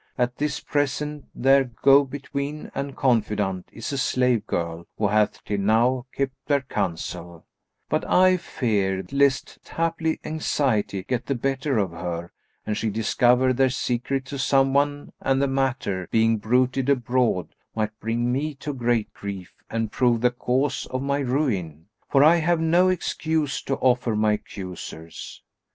At this present their go between and confidante is a slave girl who hath till now kept their counsel, but I fear lest haply anxiety get the better of her and she discover their secret to some one and the matter, being bruited abroad, might bring me to great grief and prove the cause of my ruin; for I have no excuse to offer my accusers."